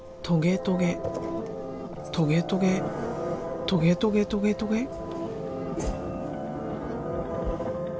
トゲトゲトゲトゲトゲトゲ。